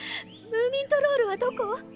ムーミントロールはどこ？